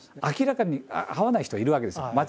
明らかに合わない人はいるわけですよ。